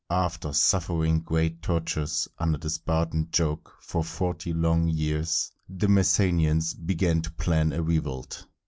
After suffering great tortures under the Spartan yoke for forty long years, the Messenians began to plan a revolt.